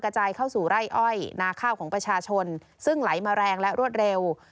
จายเข้าสู่ไร่อ้อยนาข้าวของประชาชนซึ่งไหลมาแรงและรวดเร็ว